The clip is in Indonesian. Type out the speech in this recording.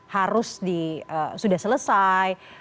harus di sudah selesai